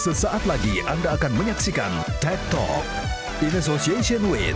sesaat lagi anda akan menyaksikan taktok in association with